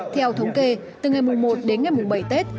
theo thống kê từ ngày một đến ngày mùng bảy tết